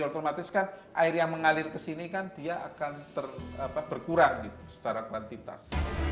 otomatis kan air yang mengalir ke sini kan dia akan berkurang secara kuantitas